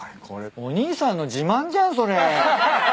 これお兄さんの自慢じゃんそれ。